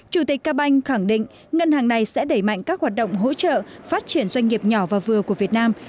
chủ tịch ca banh khẳng định ngân hàng này sẽ đẩy mạnh các hoạt động hỗ trợ phát triển doanh nghiệp nhỏ và vừa của việt nam